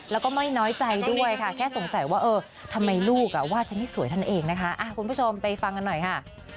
แล้วก็ไม่น้อยใจด้วยค่ะแค่สงสัยว่าเออทำไมลูกว่าฉันให้สวยนั่นเองนะคะคุณผู้ชมไปฟังกันหน่อยค่ะ